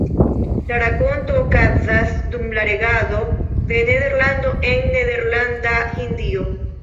La rakonto okazas dum la regado de Nederlando en Nederlanda-Hindio.